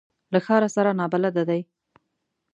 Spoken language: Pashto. له ښار سره نابلده دي.